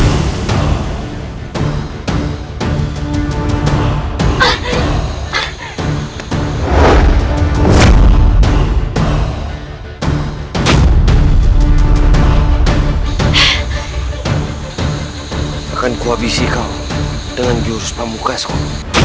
akan ku abisi kau dengan jurus pamukasmu